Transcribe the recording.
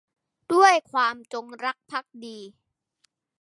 ด้วยความจงรักภักดี